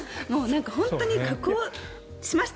本当に加工しました！